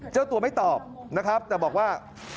เจ้าตัวไม่ตอบนะครับแต่บอกว่า